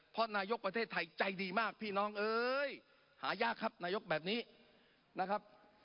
เพราะนายกประเทศไทยใจดีมากพี่น้องเอ้ยหายากครับนายกแบบนี้นะครับ